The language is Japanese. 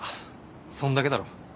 そんだけだろ。